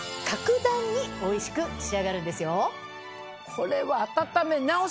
これは。